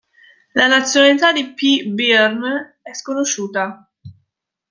La nazionalità di P. Byrne è sconosciuta.